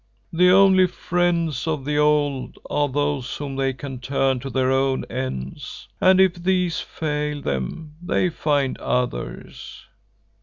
The only friends of the old are those whom they can turn to their own ends, and if these fail them they find others."